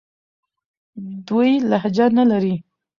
دوی لهجه نه لري.